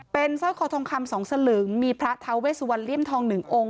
เป็นซ่อยคอทองคำสองสลึงมีพระทาเวสวรรษ์เหลี่ยมทองหนึ่งองค์